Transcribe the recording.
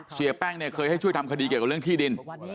เสียแป้งเนี่ยเคยให้ช่วยทำคดีเกี่ยวกับเรื่องที่ดิน